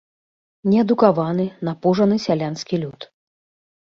Неадукаваны, напужаны сялянскі люд.